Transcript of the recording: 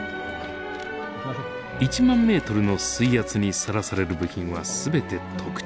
１万ｍの水圧にさらされる部品は全て特注。